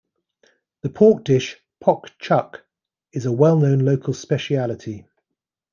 The pork dish "poc-chuc" is a well known local specialty.